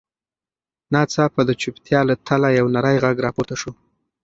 ناڅاپه د چوپتیا له تله یو نرۍ غږ راپورته شو.